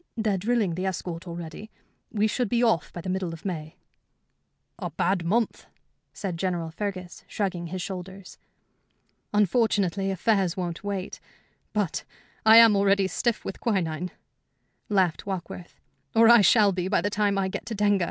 They're drilling the escort already. We should be off by the middle of May." "A bad month," said General Fergus, shrugging his shoulders. "Unfortunately, affairs won't wait. But I am already stiff with quinine," laughed Warkworth "or I shall be by the time I get to Denga.